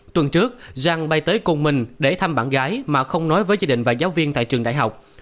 tuần trước răng bay tới cùng mình để thăm bạn gái mà không nói với gia đình và giáo viên tại trường đại học